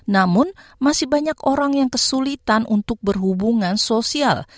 namun masih banyak orang yang kesulitan untuk berhubungan sosial